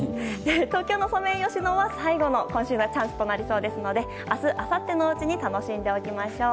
東京のソメイヨシノは今週が最後のチャンスですので明日あさってのうちに楽しんでおきましょう。